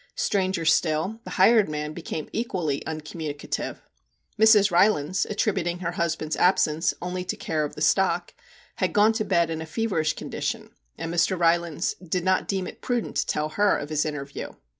Stranger still, the hired man became equally uncommunicative. Mrs. Rylands, attributing her husband's absence only to care of the stock, had gone to bed in a feverish condition, and Mr. Rylands did not deem it prudent to tell her of his interview.